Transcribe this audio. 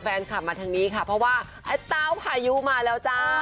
แฟนคลับมาทางนี้ค่ะเพราะว่าไอ้เต้าพายุมาแล้วจ้า